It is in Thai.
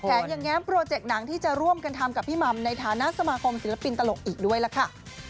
ยังแง้มโปรเจกต์หนังที่จะร่วมกันทำกับพี่หม่ำในฐานะสมาคมศิลปินตลกอีกด้วยล่ะค่ะ